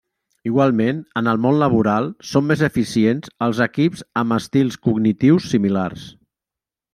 Igualment, en el món laboral són més eficients els equips amb estils cognitius similars.